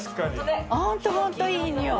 ホントホントいいにおい。